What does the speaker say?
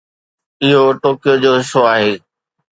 اهو ٽوڪيو جو حصو آهي